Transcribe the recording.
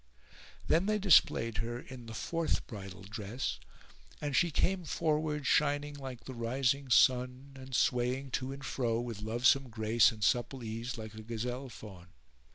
Then they displayed her in the fourth bridal dress and she came forward shining like the rising sun and swaying to and fro with lovesome grace and supple ease like a gazelle fawn.